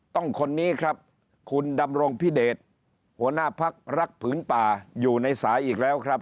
คนนี้ครับคุณดำรงพิเดชหัวหน้าพักรักผืนป่าอยู่ในสายอีกแล้วครับ